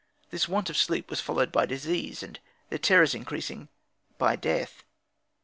This want of sleep was followed by disease, and, their terrors increasing, by death.